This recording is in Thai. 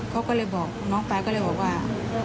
เขาก็เลยบอกน้องไปก็เลยบอกว่า